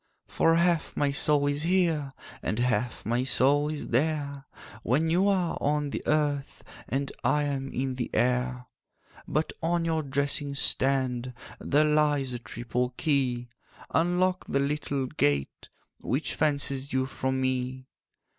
'For half my soul is here, And half my soul is there, When you are on the earth And I am in the air. 'But on your dressing stand There lies a triple key; Unlock the little gate Which fences you from me.